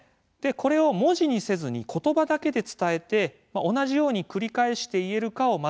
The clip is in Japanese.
これを文字にせずに言葉だけで伝えて同じように繰り返して言えるかをまずチェックします。